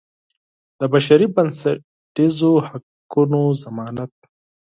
د بشري بنسټیزو حقوقو ضمانت.